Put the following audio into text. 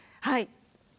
はい。